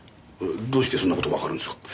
どうしてそんな事わかるんですか？